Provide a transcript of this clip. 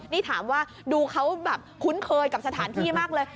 นี่ถามว่าดูเขาแบบคุ้นเคยกับสถานที่มากเลย